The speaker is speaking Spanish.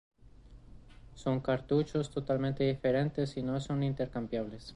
Son cartuchos totalmente diferentes y no son intercambiables.